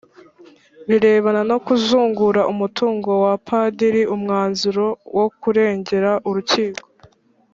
birebana no kuzungura umutungo wa Padiri umwanzuro wo kuregera urukiko